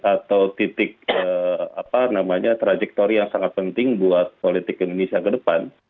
atau titik trajektori yang sangat penting buat politik indonesia ke depan